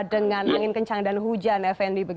dengan angin kencang dan hujan effendi